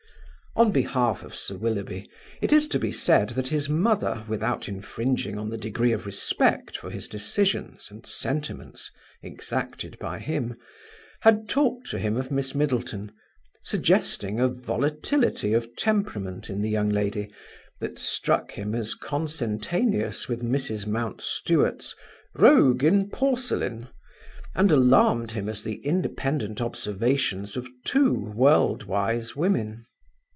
On behalf of Sir Willoughby, it is to be said that his mother, without infringing on the degree of respect for his decisions and sentiments exacted by him, had talked to him of Miss Middleton, suggesting a volatility of temperament in the young lady that struck him as consentaneous with Mrs Mountstuart's "rogue in porcelain", and alarmed him as the independent observations of two world wise women.